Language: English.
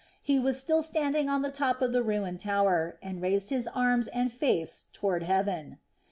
He was still standing on the top of the ruined tower, and raised his arms and face toward heaven.